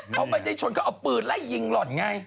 มอบภัยที่เฉินเขาเอาปืดไหล้ยิงรถยังไง